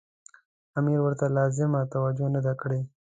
امیر ورته لازمه توجه نه ده کړې.